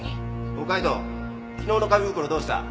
おい海斗昨日の紙袋どうした？